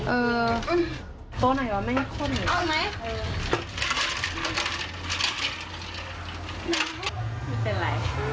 เอาอย่าง๋อ